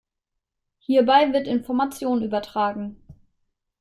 Hierbei wird Information übertragen.